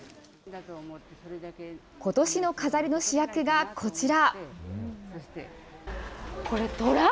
ことしの飾りの主役がこちら。